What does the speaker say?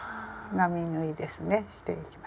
並縫いですねしていきます。